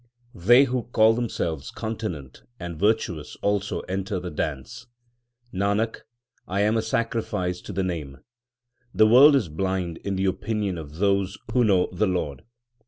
3 They who call themselves continent and virtuous also enter the dance. Nanak, I am a sacrifice to the Name. The world is blind in the opinion of those who know the Lord.